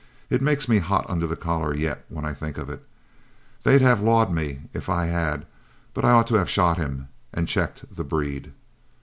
It makes me hot under the collar yet when I think of it. They'd have lawed me if I had, but I ought to have shot him and checked the breed."